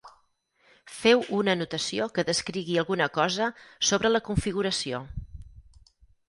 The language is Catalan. Feu una anotació que descrigui alguna cosa sobre la configuració.